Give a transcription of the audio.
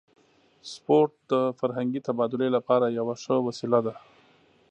سپورت د فرهنګي تبادلې لپاره یوه ښه وسیله ده.